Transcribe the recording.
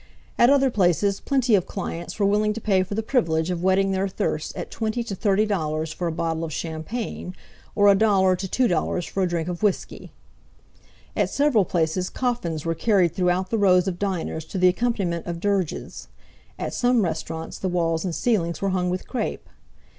At other places plenty of clients were willing to pay for the privilege of whetting their thirsts at 20 to 30 dollars for a bottle of champagne, or a dollar to two dollars for a drink of whisky. At several places coffins were carried throughout the rows of diners to the accompaniment of dirges. At some restaurants the walls and ceilings were hung with crepe.